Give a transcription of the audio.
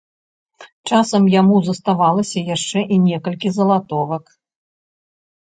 Часам яму заставалася яшчэ і некалькі залатовак.